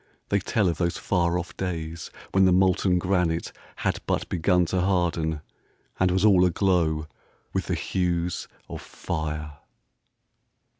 They tell of those far off days when the molten granite had but begun to harden, and was all aglow with the hues of fire.